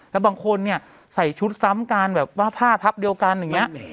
แล้วบางคนเนี่ยใส่ชุดซ้ำกันแบบว่าผ้าพับเดียวกันอย่างนี้